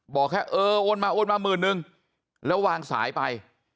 บอกแค่เออโอนมาโอนมาหมื่นนึงแล้ววางสายไป